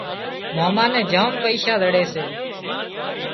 ماما نين جام پئيشا زڙي سي